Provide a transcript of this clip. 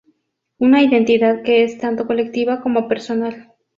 Una identidad que es tanto colectiva como personal".